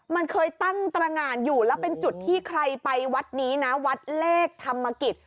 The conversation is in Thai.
มันเคยตั้งตรงานอยู่แล้วเป็นจุดที่ใครไปวัดนี้นะวัดเลขธรรมกิจ